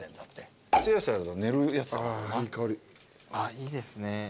いいですね。